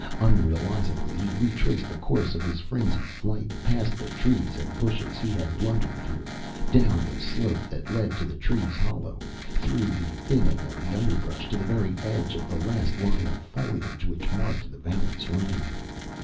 Unrealizingly, he retraced the course of his frenzied flight, past the trees and bushes he had blundered through, down the slope that led to the Tree's hollow, through the thinning of the underbrush to the very edge of the last line of foliage which marked the valley's rim.